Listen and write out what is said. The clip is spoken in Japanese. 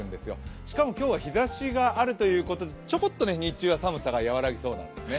しかも、今日は日ざしがあるということでちょこっと日中は寒さが和らぐんですね。